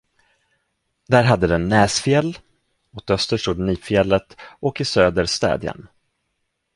Där hade den Näsfjäll, åt öster stod Nipfjället och i söder Städjan.